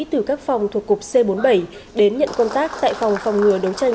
từ các phòng thuộc cục c bốn mươi bảy đến nhận công tác tại phòng phòng ngừa đấu tranh